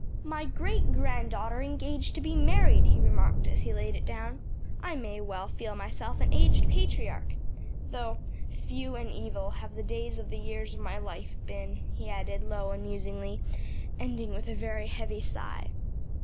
"My great granddaughter engaged to be married!" he remarked, as he laid it down. "I may well feel myself an aged patriarch! Though 'few and evil have the days of the years of my life been,'" he added, low and musingly, ending with a heavy sigh.